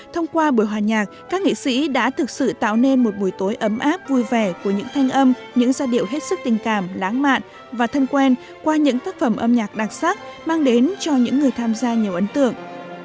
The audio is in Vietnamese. thông qua buổi hòa nhạc các nghệ sĩ đã thực sự tạo nên một buổi tối ấm áp vui vẻ của những thanh âm những giai điệu hết sức tình cảm lãng mạn và thân quen qua những tác phẩm âm nhạc đặc sắc mang đến cho những người tham gia nhiều ấn tượng